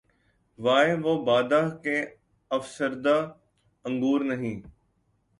وائے! وہ بادہ کہ‘ افشردۂ انگور نہیں